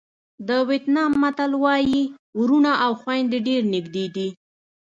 د وېتنام متل وایي وروڼه او خویندې ډېر نږدې دي.